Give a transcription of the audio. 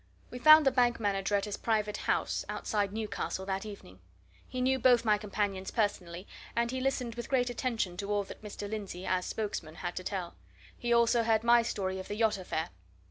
We found the bank manager at his private house, outside Newcastle, that evening. He knew both my companions personally, and he listened with great attention to all that Mr. Lindsey, as spokesman, had to tell; he also heard my story of the yacht affair.